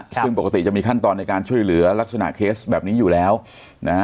ซึ่งปกติจะมีขั้นตอนในการช่วยเหลือลักษณะเคสแบบนี้อยู่แล้วนะฮะ